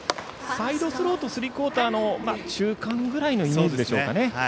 サイドスローとスリークオーターの中間くらいのイメージでしょうか。